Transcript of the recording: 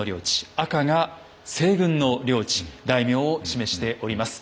赤が西軍の領地・大名を示しております。